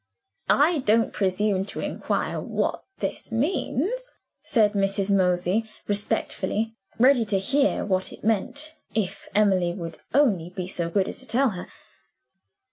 I don't presume to inquire what this means," said Mrs. Mosey respectfully, ready to hear what it meant, if Emily would only be so good as to tell her.